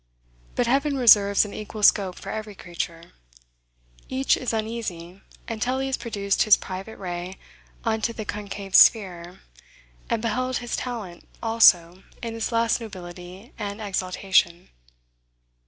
But heaven reserves an equal scope for every creature. Each is uneasy until he has produced his private ray unto the concave sphere, and beheld his talent also in its last nobility and exaltation.